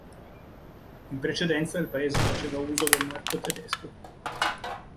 In precedenza il paese faceva uso del marco tedesco.